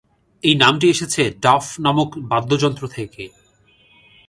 এই নামটি এসেছে ডাফ নামক বাদ্যযন্ত্র থেকে।